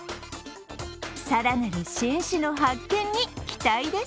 更なる新種の発見に期待です！